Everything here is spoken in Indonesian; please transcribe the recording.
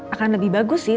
akan lebih bagus sih